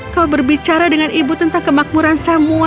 kau berbicara dengan ibu tentang kemakmuran samuel